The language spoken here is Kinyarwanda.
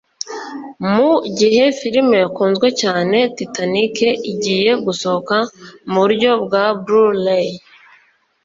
Mu gihe filime yakunzwe cyane Titanic igiye gusohoka mu buryo bwa Blue-Ray